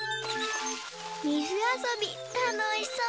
みずあそびたのしそう！